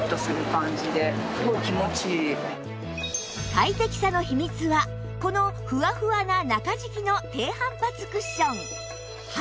快適さの秘密はこのふわふわな中敷きの低反発クッション